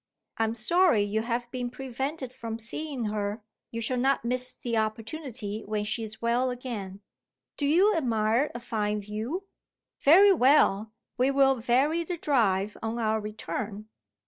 I am sorry you have been prevented from seeing her; you shall not miss the opportunity when she is well again. Do you admire a fine view? Very well; we will vary the drive on our return.